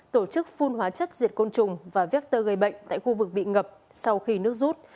tổ chức phun hóa chất diệt côn trùng và vector gây bệnh tại khu vực bị ngập sau khi nước rút